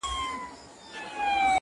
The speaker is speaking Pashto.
سیند روان دی.